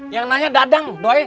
yang nanya dadang doi